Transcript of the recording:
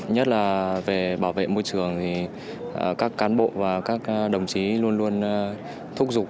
nhất là về bảo vệ môi trường thì các cán bộ và các đồng chí luôn luôn thúc giục